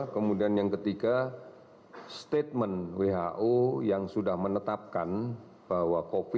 kemudian yang ketiga statement who yang sudah menetapkan bahwa covid sembilan belas